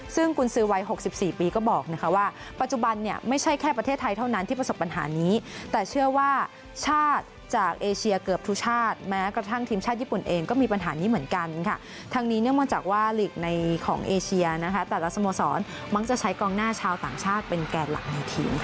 ซึ่งกุญสือวัย๖๔ปีก็บอกนะคะว่าปัจจุบันเนี่ยไม่ใช่แค่ประเทศไทยเท่านั้นที่ประสบปัญหานี้แต่เชื่อว่าชาติจากเอเชียเกือบทุกชาติแม้กระทั่งทีมชาติญี่ปุ่นเองก็มีปัญหานี้เหมือนกันค่ะทั้งนี้เนื่องมาจากว่าหลีกในของเอเชียนะคะแต่ละสโมสรมักจะใช้กองหน้าชาวต่างชาติเป็นแก่หลักในทีม